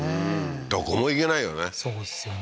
どこも行けないよね